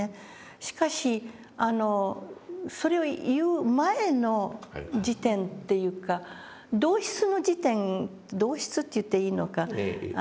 しかしそれを言う前の時点というか同質の時点同質って言っていいのか。